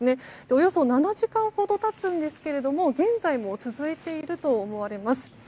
およそ７時間ほど経つんですけど現在も続いていると思われます。